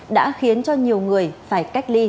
đã khiến cho nhiều người phải cách ly